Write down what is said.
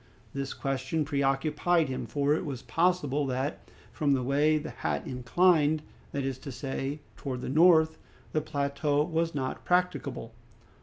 This question preoccupied him, for it was possible that from the way the hat inclined, that is to say, towards the north, the plateau was not practicable.